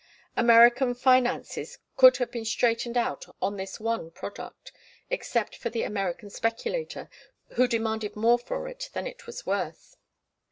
American finances could have been straightened out on this one product, except for the American speculator, who demanded more for it than it was worth.